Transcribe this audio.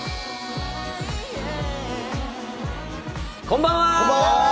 こんばんは。